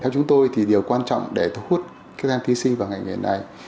theo chúng tôi thì điều quan trọng để thu hút các em thí sinh vào ngành nghề này